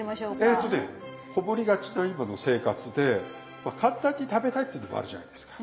えとね籠もりがちな今の生活で簡単に食べたいっていうのもあるじゃないですか。